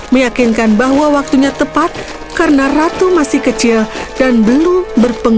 meyakinkan bahwa waktunya tepat karena ratu masih kecil dan belum berpengaruh